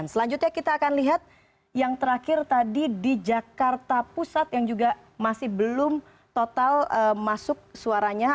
selanjutnya kita akan lihat yang terakhir tadi di jakarta pusat yang juga masih belum total masuk suaranya